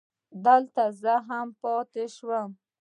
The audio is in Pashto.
دلته زه هم پاتې شوم.